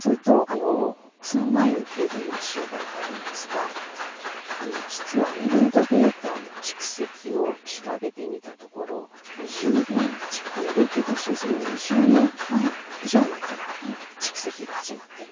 その前に軽度認知障害があるんですが実はアミロイドβの蓄積を調べてみたところ病気が発症する２０年以上前から蓄積が始まっている。